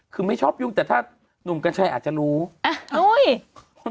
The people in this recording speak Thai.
คือไม่ชอบยุ่งแต่ถ้านุ่มกันใช่อาจจะรู้อุ๊ย